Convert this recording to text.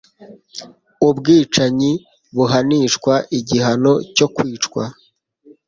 ubwicanyi buhanishwa igihano cyo kwicwa